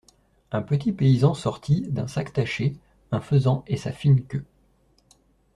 Un petit paysan sortit, d'un sac taché, un faisan et sa fine queue.